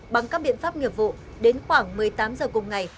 bằng các biện pháp nghiệp vụ đến khoảng một mươi tám giờ cùng ngày